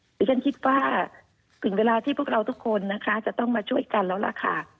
ดิฉันคิดว่าถึงเวลาที่พวกเราทุกคนนะคะจะต้องมาช่วยกันแล้วล่ะค่ะ